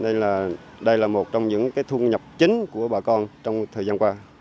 nên là đây là một trong những cái thu nhập chính của bà con trong thời gian qua